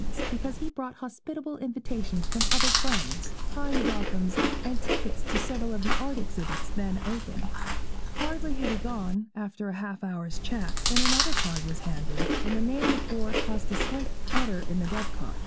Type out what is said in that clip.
's, because he brought hospitable invitations from other friends, kind welcomes, and tickets to several of the art exhibitions then open. Hardly had he gone, after a half hour's chat, than another card was handed, and the name it bore caused a slight flutter in the dove cot.